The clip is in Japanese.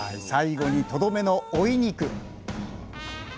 最後にとどめの追い肉。